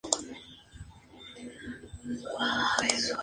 Presenta dimorfismo sexual.